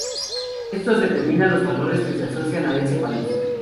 Estos determinan los valores que se asocian a ese país.